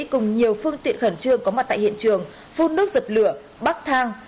cùng nhiều phương tiện khẩn trương có mặt tại hiện trường phun nước giật lửa bắt thang